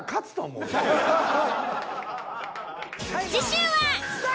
次週は。